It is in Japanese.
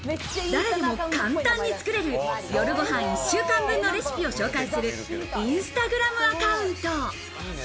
誰でも簡単につくれる夜ご飯１週間分のレシピを紹介するインスタグラムアカウント。